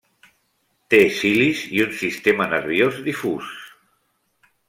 Té cilis i un sistema nerviós difús.